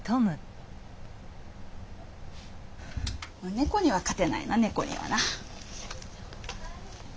猫には勝てないな猫にはな。